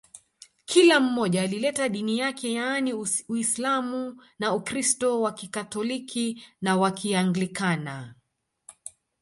Kila mmoja alileta dini yake yaani Uislamu na Ukristo wa Kikatoliki na wa Kianglikana